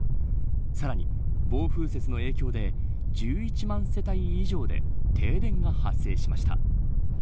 さらに、暴風雪の影響で１１万世帯以上で停電が発生しました。